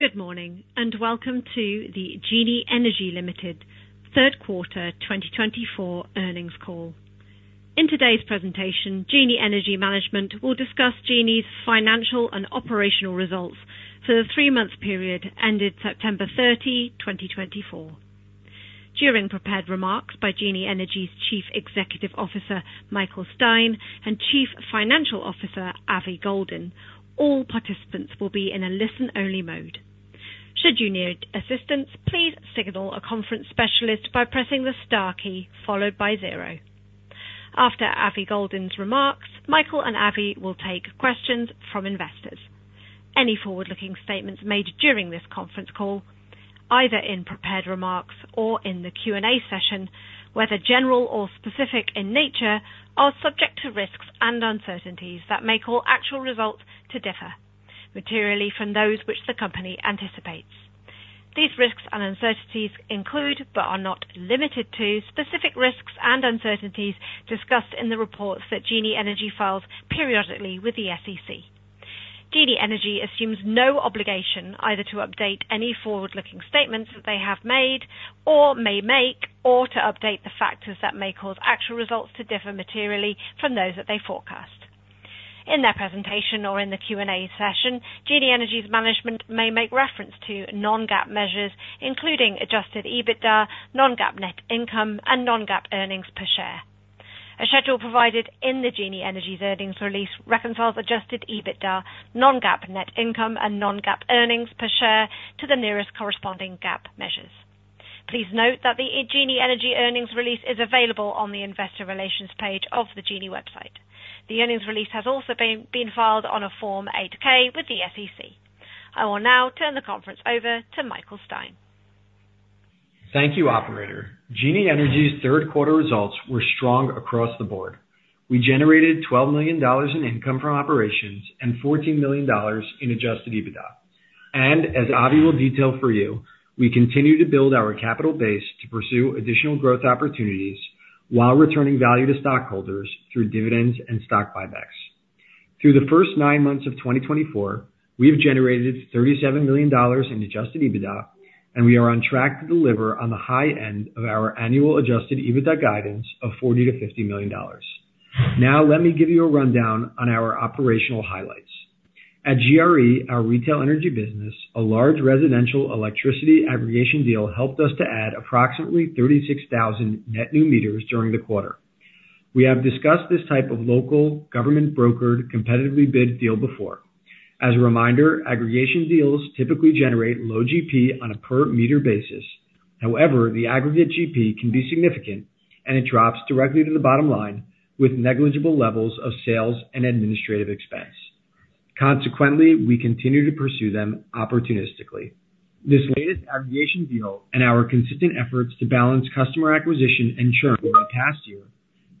Good morning, and welcome to the Genie Energy Ltd Third Quarter 2024 Earnings Call. In today's presentation, Genie Energy management will discuss Genie's financial and operational results for the three-month period ended September 30, 2024. During prepared remarks by Genie Energy's Chief Executive Officer, Michael Stein, and Chief Financial Officer, Avi Goldin, all participants will be in a listen-only mode. Should you need assistance, please signal a conference specialist by pressing the star key followed by zero. After Avi Goldin's remarks, Michael and Avi will take questions from investors. Any forward-looking statements made during this conference call, either in prepared remarks or in the Q&A session, whether general or specific in nature, are subject to risks and uncertainties that may cause actual results to differ materially from those which the company anticipates. These risks and uncertainties include, but are not limited to, specific risks and uncertainties discussed in the reports that Genie Energy files periodically with the SEC. Genie Energy assumes no obligation either to update any forward-looking statements that they have made or may make, or to update the factors that may cause actual results to differ materially from those that they forecast. In their presentation or in the Q&A session, Genie Energy's management may make reference to non-GAAP measures, including adjusted EBITDA, non-GAAP net income, and non-GAAP earnings per share. A schedule provided in Genie Energy's earnings release reconciles adjusted EBITDA, non-GAAP net income, and non-GAAP earnings per share to the nearest corresponding GAAP measures. Please note that the Genie Energy earnings release is available on the investor relations page of the Genie website. The earnings release has also been filed on a Form 8-K with the SEC. I will now turn the conference over to Michael Stein. Thank you, Operator. Genie Energy's third quarter results were strong across the board. We generated $12 million in income from operations and $14 million in adjusted EBITDA, and as Avi will detail for you, we continue to build our capital base to pursue additional growth opportunities while returning value to stockholders through dividends and stock buybacks. Through the first nine months of 2024, we have generated $37 million in adjusted EBITDA, and we are on track to deliver on the high end of our annual adjusted EBITDA guidance of $40 million-$50 million. Now, let me give you a rundown on our operational highlights. At GRE, our retail energy business, a large residential electricity aggregation deal helped us to add approximately 36,000 net new meters during the quarter. We have discussed this type of local government-brokered competitively bid deal before. As a reminder, aggregation deals typically generate low GP on a per-meter basis. However, the aggregate GP can be significant, and it drops directly to the bottom line with negligible levels of sales and administrative expense. Consequently, we continue to pursue them opportunistically. This latest aggregation deal and our consistent efforts to balance customer acquisition and churn in the past year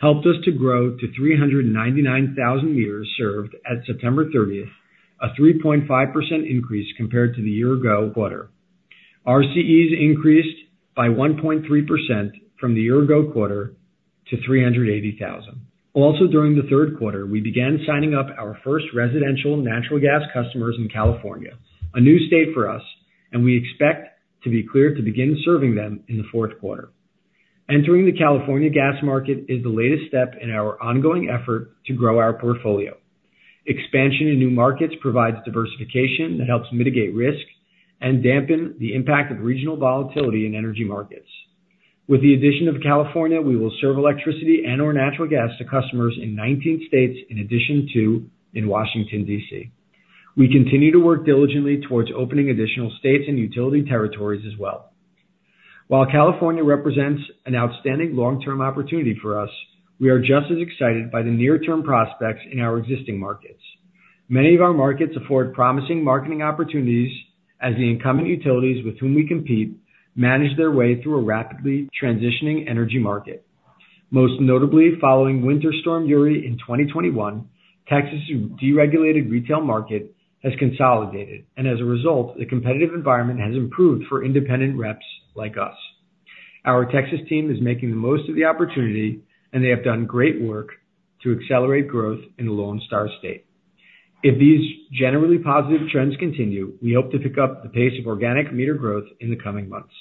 helped us to grow to 399,000 meters served at September 30th, a 3.5% increase compared to the year-ago quarter. RCEs increased by 1.3% from the year-ago quarter to 380,000. Also, during the third quarter, we began signing up our first residential natural gas customers in California, a new state for us, and we expect to be cleared to begin serving them in the fourth quarter. Entering the California gas market is the latest step in our ongoing effort to grow our portfolio. Expansion in new markets provides diversification that helps mitigate risk and dampen the impact of regional volatility in energy markets. With the addition of California, we will serve electricity and/or natural gas to customers in 19 states, in addition to Washington, D.C. We continue to work diligently towards opening additional states and utility territories as well. While California represents an outstanding long-term opportunity for us, we are just as excited by the near-term prospects in our existing markets. Many of our markets afford promising marketing opportunities as the incumbent utilities with whom we compete manage their way through a rapidly transitioning energy market. Most notably, following Winter Storm Uri in 2021, Texas' deregulated retail market has consolidated, and as a result, the competitive environment has improved for independent reps like us. Our Texas team is making the most of the opportunity, and they have done great work to accelerate growth in Lone Star State. If these generally positive trends continue, we hope to pick up the pace of organic meter growth in the coming months.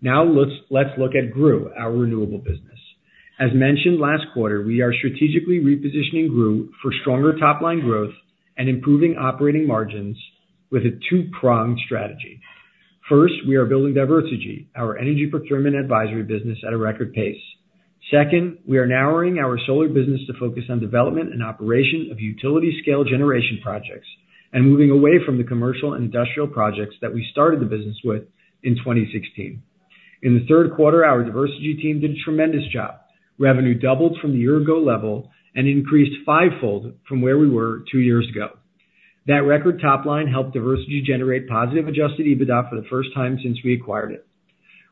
Now, let's look at GREW, our renewable business. As mentioned last quarter, we are strategically repositioning GREW for stronger top-line growth and improving operating margins with a two-pronged strategy. First, we are building Diversegy, our energy procurement advisory business, at a record pace. Second, we are narrowing our solar business to focus on development and operation of utility-scale generation projects and moving away from the commercial and industrial projects that we started the business with in 2016. In the third quarter, our Diversegy team did a tremendous job. Revenue doubled from the year-ago level and increased fivefold from where we were two years ago. That record top-line helped Diversegy generate positive adjusted EBITDA for the first time since we acquired it.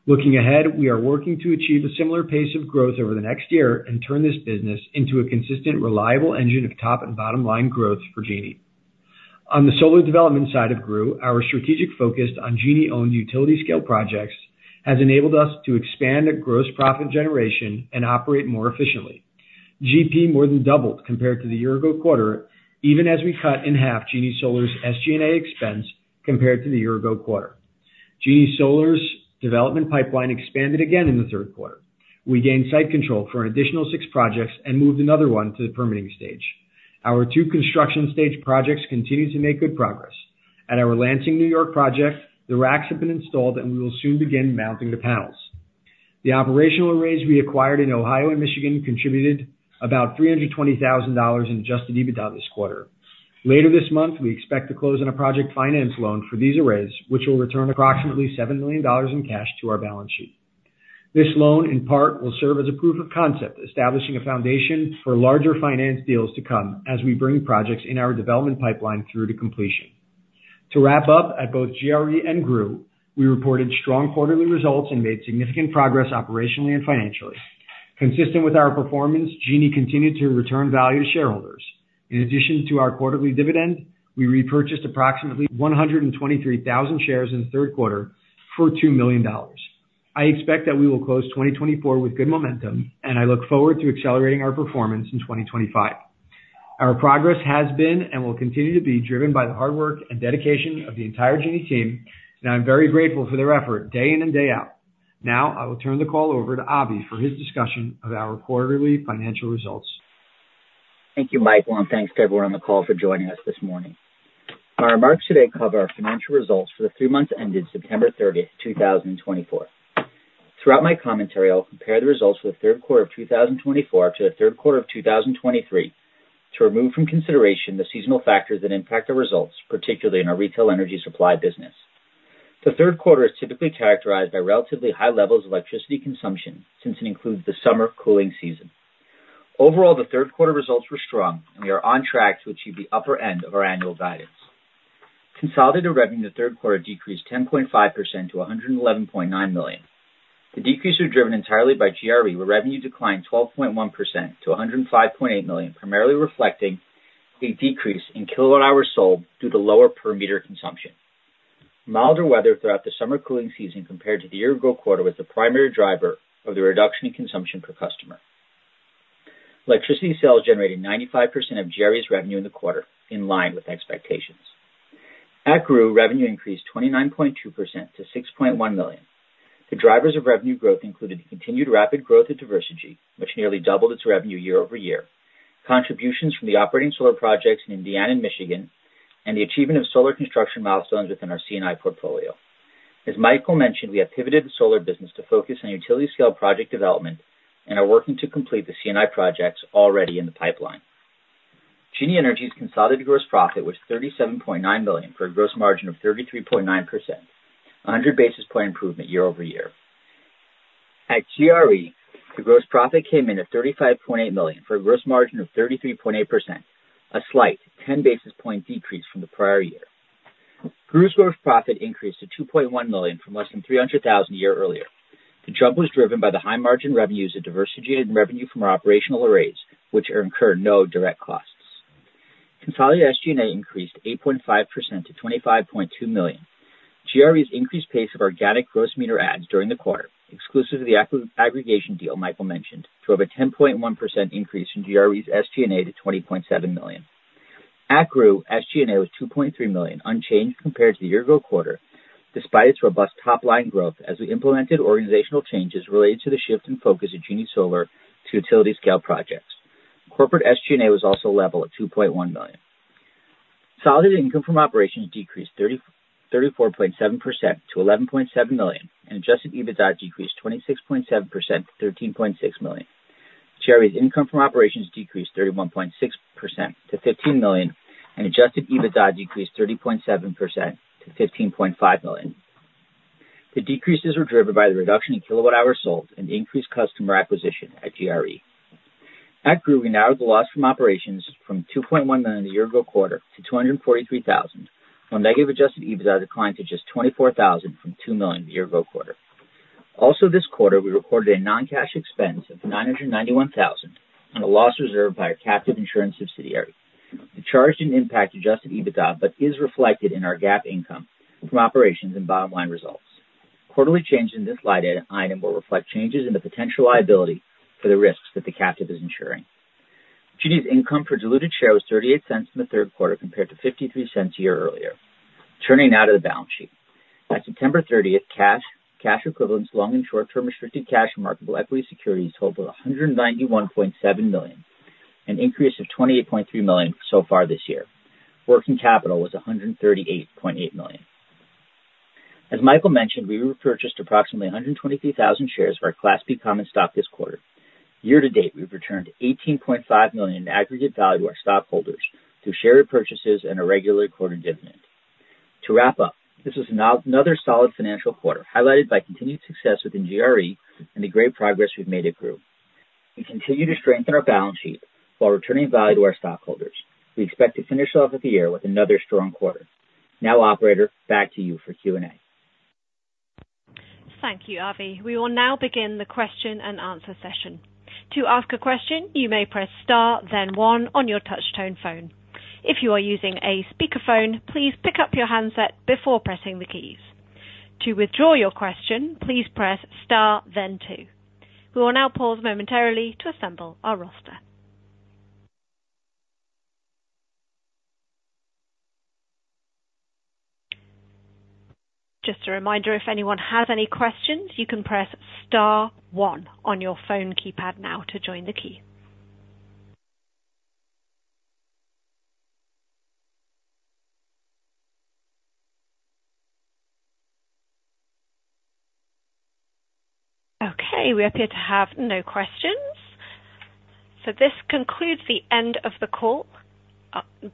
Looking ahead, we are working to achieve a similar pace of growth over the next year and turn this business into a consistent, reliable engine of top and bottom-line growth for Genie. On the solar development side of GREW, our strategic focus on Genie-owned utility-scale projects has enabled us to expand at gross profit generation and operate more efficiently. GP more than doubled compared to the year-ago quarter, even as we cut in half Genie Solar's SG&A expense compared to the year-ago quarter. Genie Solar's development pipeline expanded again in the third quarter. We gained site control for an additional six projects and moved another one to the permitting stage. Our two construction-stage projects continue to make good progress. At our Lansing, New York project, the racks have been installed, and we will soon begin mounting the panels. The operational arrays we acquired in Ohio and Michigan contributed about $320,000 in adjusted EBITDA this quarter. Later this month, we expect to close on a project finance loan for these arrays, which will return approximately $7 million in cash to our balance sheet. This loan, in part, will serve as a proof of concept, establishing a foundation for larger finance deals to come as we bring projects in our development pipeline through to completion. To wrap up, at both GRE and GREW, we reported strong quarterly results and made significant progress operationally and financially. Consistent with our performance, Genie continued to return value to shareholders. In addition to our quarterly dividend, we repurchased approximately 123,000 shares in the third quarter for $2 million. I expect that we will close 2024 with good momentum, and I look forward to accelerating our performance in 2025. Our progress has been and will continue to be driven by the hard work and dedication of the entire Genie team, and I'm very grateful for their effort day in and day out. Now, I will turn the call over to Avi for his discussion of our quarterly financial results. Thank you, Michael, and thanks to everyone on the call for joining us this morning. Our remarks today cover our financial results for the three months ended September 30, 2024. Throughout my commentary, I'll compare the results for the third quarter of 2024 to the third quarter of 2023 to remove from consideration the seasonal factors that impact our results, particularly in our retail energy supply business. The third quarter is typically characterized by relatively high levels of electricity consumption since it includes the summer cooling season. Overall, the third quarter results were strong, and we are on track to achieve the upper end of our annual guidance. Consolidated revenue in the third quarter decreased 10.5% to $111.9 million. The decrease was driven entirely by GRE, where revenue declined 12.1% to $105.8 million, primarily reflecting a decrease in kilowatt-hours sold due to lower per-meter consumption. Milder weather throughout the summer cooling season compared to the year-ago quarter was the primary driver of the reduction in consumption per customer. Electricity sales generated 95% of GRE's revenue in the quarter, in line with expectations. At GREW, revenue increased 29.2% to $6.1 million. The drivers of revenue growth included the continued rapid growth of Diversegy, which nearly doubled its revenue year over year, contributions from the operating solar projects in Indiana and Michigan, and the achievement of solar construction milestones within our C&I portfolio. As Michael mentioned, we have pivoted the solar business to focus on utility-scale project development and are working to complete the C&I projects already in the pipeline. Genie Energy's consolidated gross profit was $37.9 million for a gross margin of 33.9%, a 100 basis points improvement year-over-year. At GRE, the gross profit came in at $35.8 million for a gross margin of 33.8%, a slight 10 basis point decrease from the prior year. GREW's gross profit increased to $2.1 million from less than $300,000 a year earlier. The jump was driven by the high margin revenues of Diversegy and revenue from our operational arrays, which incurred no direct costs. Consolidated SG&A increased 8.5% to $25.2 million. GRE's increased pace of organic gross meter adds during the quarter, exclusive of the aggregation deal Michael mentioned, drove a 10.1% increase in GRE's SG&A to $20.7 million. At GREW, SG&A was $2.3 million, unchanged compared to the year-ago quarter, despite its robust top-line growth as we implemented organizational changes related to the shift in focus of Genie Solar to utility-scale projects. Corporate SG&A was also level at $2.1 million. Consolidated income from operations decreased 34.7% to $11.7 million, and adjusted EBITDA decreased 26.7% to $13.6 million. GRE's income from operations decreased 31.6% to $15 million, and adjusted EBITDA decreased 30.7% to $15.5 million. The decreases were driven by the reduction in kilowatt-hours sold and increased customer acquisition at GRE. At GREW, we narrowed the loss from operations from $2.1 million the year-ago quarter to $243,000, while negative adjusted EBITDA declined to just $24,000 from $2 million the year-ago quarter. Also, this quarter, we recorded a non-cash expense of $991,000 and a loss reserved by our captive insurance subsidiary. The charge didn't impact adjusted EBITDA, but is reflected in our GAAP income from operations and bottom-line results. Quarterly changes in this line item will reflect changes in the potential liability for the risks that the captive is insuring. Genie's earnings per diluted share was $0.38 in the third quarter compared to $0.53 a year earlier, turning to the balance sheet. At September 30th, cash, cash equivalents, long- and short-term restricted cash, and marketable equity securities totaled $191.7 million, an increase of $28.3 million so far this year. Working capital was $138.8 million. As Michael mentioned, we repurchased approximately 123,000 shares of our Class B Common Stock this quarter. Year to date, we've returned $18.5 million in aggregate value to our stockholders through share repurchases and a regular quarterly dividend. To wrap up, this was another solid financial quarter, highlighted by continued success within GRE and the great progress we've made at GREW. We continue to strengthen our balance sheet while returning value to our stockholders. We expect to finish off the year with another strong quarter. Now, Operator, back to you for Q&A. Thank you, Avi. We will now begin the question and answer session. To ask a question, you may press star, then one on your touch-tone phone. If you are using a speakerphone, please pick up your handset before pressing the keys. To withdraw your question, please press star, then two. We will now pause momentarily to assemble our roster. Just a reminder, if anyone has any questions, you can press star one on your phone keypad now to join the queue. Okay, we appear to have no questions. So this concludes the end of the call,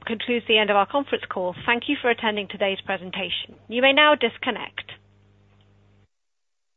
concludes the end of our conference call. Thank you for attending today's presentation. You may now disconnect.